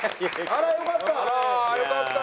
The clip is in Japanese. あらよかった！